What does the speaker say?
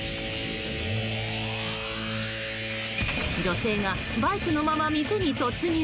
女性がバイクのまま店に突入！